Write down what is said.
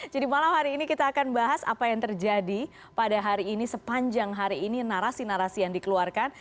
malam hari ini kita akan bahas apa yang terjadi pada hari ini sepanjang hari ini narasi narasi yang dikeluarkan